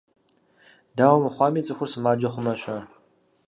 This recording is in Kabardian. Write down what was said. Дауэ мыхъуами цӀыхур сымаджэ хъумэ-щэ?